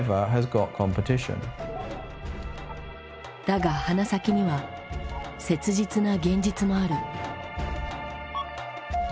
だが鼻先には切実な現実もある。